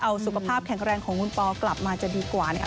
เอาสุขภาพแข็งแรงของคุณปอกลับมาจะดีกว่านะคะ